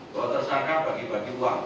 bahwa tersangka bagi bagi uang